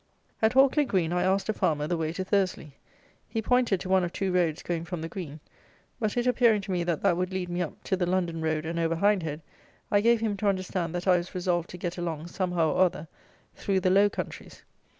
At Hawkley Green, I asked a farmer the way to Thursley. He pointed to one of two roads going from the green; but it appearing to me, that that would lead me up to the London road and over Hindhead, I gave him to understand that I was resolved to get along, somehow or other, through the "low countries."